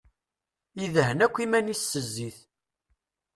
Idhen akk iman-is s zzit.